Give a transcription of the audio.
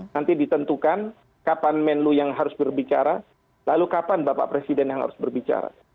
nanti ditentukan kapan menlu yang harus berbicara lalu kapan bapak presiden yang harus berbicara